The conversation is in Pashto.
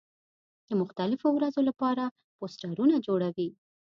د مختلفو ورځو له پاره پوسټرونه جوړوي.